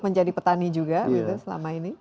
menjadi petani juga gitu selama ini